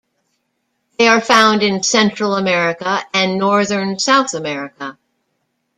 They are found in Central America and northern South America.